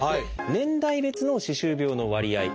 年代別の歯周病の割合。